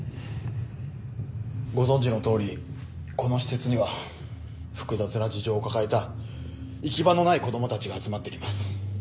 ご存じのとおりこの施設には複雑な事情を抱えた行き場のない子供たちが集まってきます。